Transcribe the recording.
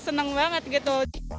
senang banget gitu